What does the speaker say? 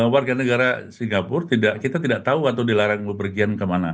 warga negara singapura kita tidak tahu atau dilarang berpergian kemana